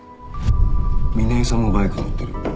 三奈代さんもバイク乗ってる。